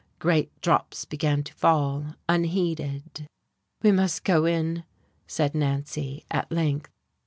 Great drops began to fall, unheeded. "We must go in," said Nancy, at length.